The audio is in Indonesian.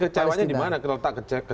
jadi kecewanya dimana kita letak kecewaan